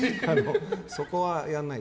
そこは、やらない。